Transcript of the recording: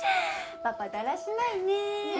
パパだらしないね。